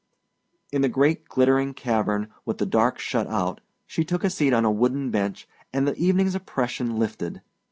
In the great glittering cavern with the dark shut out she took a seat on a wooded bench and the evening's oppression lifted.